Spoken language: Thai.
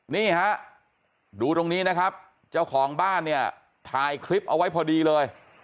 นี่ฮะดูตรงนี้นะครับเจ้าของบ้านเนี่ยถ่ายคลิปเอาไว้พอดีเลย